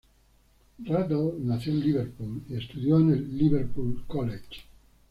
Rattle nació en Liverpool y estudió en el Liverpool College.